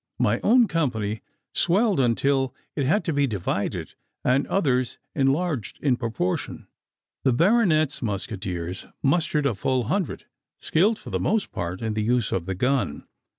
My own company swelled until it had to be divided, and others enlarged in proportion. The baronet's musqueteers mustered a full hundred, skilled for the most part in the use of the gun.